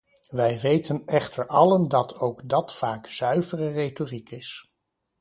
Wij weten echter allen dat ook dat vaak zuivere retoriek is.